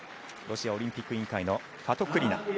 ロシアオリンピック委員会のファトクリナ。